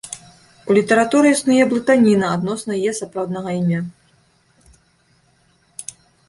У літаратуры існуе блытаніна адносна яе сапраўднага імя.